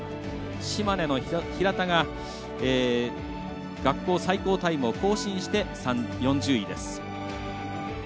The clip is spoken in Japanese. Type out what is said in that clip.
島根の平田が学校最高タイムを更新して４０位です。